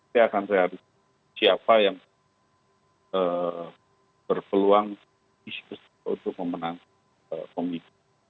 saya akan lihat siapa yang berpeluang untuk memenang pemimpin